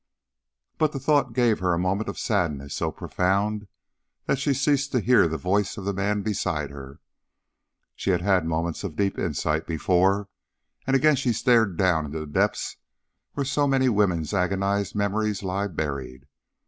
But the thought gave her a moment of sadness so profound that she ceased to hear the voice of the man beside her. She had had moments of deep insight before, and again she stared down into the depths where so many women's agonized memories lie buried.